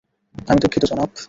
আমি দুঃখিত, জনাব।